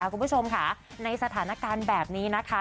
คุณผู้ชมค่ะในสถานการณ์แบบนี้นะคะ